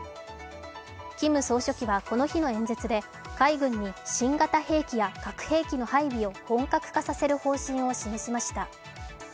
キム総書記はこの日の演説で、海軍に新型兵器や核兵器の配備を本格化させる方針を示しました。